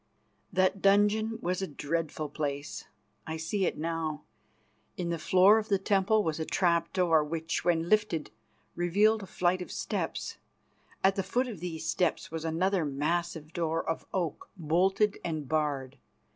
That dungeon was a dreadful place. I see it now. In the floor of the temple was a trap door, which, when lifted, revealed a flight of steps. At the foot of these steps was another massive door of oak, bolted and barred.